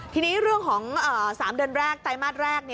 ทีนี้เรื่องของ๓เดือนแรกไตรมาสแรก